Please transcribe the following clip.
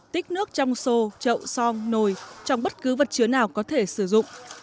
tích nước trong sô trậu song nồi trong bất cứ vật chứa nào có thể sử dụng